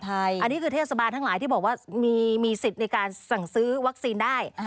อันนี้คือเทศบาลทั้งหลายที่บอกว่ามีสิทธิ์ในการสั่งซื้อวัคซีนได้